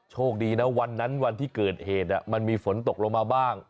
โชคดีนะวันนั้นวันที่เกิดเหตุมันมีฝนตกลงมาบ้าง